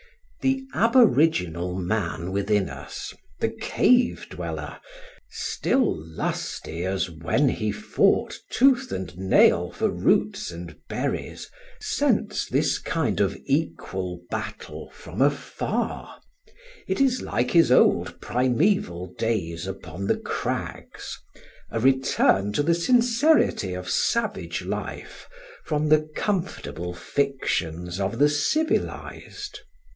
The aboriginal man within us, the cave dweller, still lusty as when he fought tooth and nail for roots and berries, scents this kind of equal battle from afar; it is like his old primaeval days upon the crags, a return to the sincerity of savage life from the comfortable fictions of the civilised.